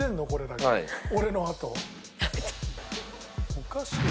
おかしい。